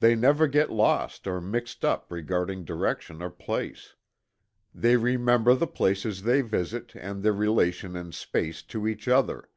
They never get lost or "mixed up" regarding direction or place. They remember the places they visit and their relation in space to each other.